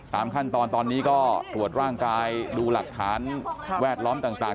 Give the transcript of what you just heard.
ตามขั้นตอนตอนนี้ก็ตรวจร่างกายดูหลักฐานแวดล้อมต่าง